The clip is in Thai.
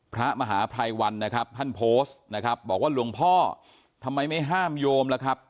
พระมหาภัยวันนะครับท่านโพสต์นะครับบอกว่าหลวงพ่อทำไมไม่ห้ามโยมล่ะครับ